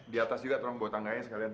di atas juga tolong buat tangganya sekalian